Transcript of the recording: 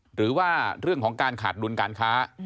หรือว่าเรื่องของการขาดดุลการค้า